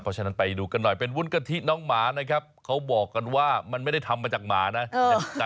กินวันกะทิน้องหมานะครับเขาบอกกันว่ามันไม่ได้ทำมาจากหมานะ